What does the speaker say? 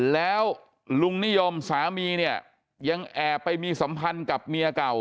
แล้วลุงนิยมสามีเนี่ยยังแอบไปมีสัมพันธ์กับเมียเก่า